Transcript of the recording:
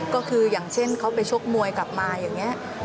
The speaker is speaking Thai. ก็คืออย่างเช่นเขาไปชกมวยกลับมาอย่างนี้